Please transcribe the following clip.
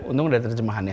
untung udah terjemahan ya